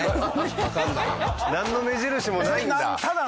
なんの目印もないんだ。